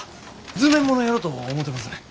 図面ものやろと思てますねん。